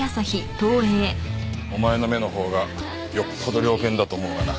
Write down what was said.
お前の目のほうがよっぽど猟犬だと思うがな。